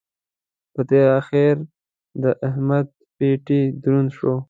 په تېره اخېر د احمد پېټی دروند شو.